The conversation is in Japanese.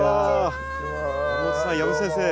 山本さん養父先生。